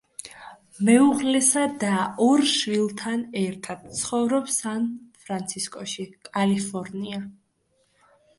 მეუღლესა და ორ შვილთან ერთად ცხოვრობს სან-ფრანცისკოში, კალიფორნია.